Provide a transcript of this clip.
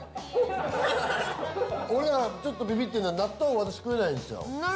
ちょっとビビってんのが納豆私食えないんですよ